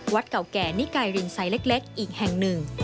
เก่าแก่นิกายรินไซส์เล็กอีกแห่งหนึ่ง